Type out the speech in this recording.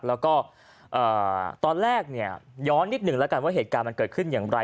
แล้วก็ตอนแรกเนี่ยย้อนนิดหนึ่งแล้วกันว่าเหตุการณ์มันเกิดขึ้นอย่างไร